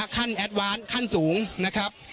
ขั้นแอดวานส์ขั้นสูงนะครับ